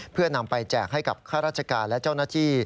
เพื่อนำไปแจกให้กับข้าราชการและเจ้าหน้าที่